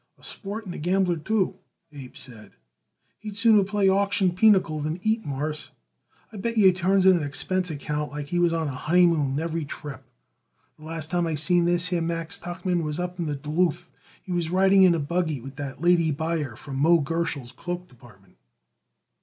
A sport and a gambler, too," Abe said. "He'd sooner play auction pinochle than eat, Mawruss. I bet you he turns in an expense account like he was on a honeymoon every trip. The last time I seen this here Max Tuchman was up in Duluth. He was riding in a buggy with the lady buyer from Moe Gerschel's cloak department."